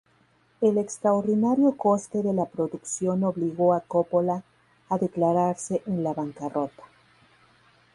El extraordinario coste de la producción obligó a Coppola a declararse en la bancarrota.